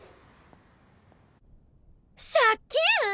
借金！？